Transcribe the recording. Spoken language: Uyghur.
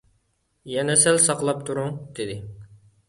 «يەنە سەل ساقلاپ تۇرۇڭ» دېدى.